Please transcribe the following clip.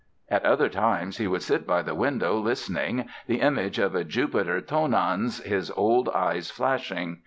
At other times he would sit by the window listening, the image of a Jupiter Tonans, his old eyes flashing.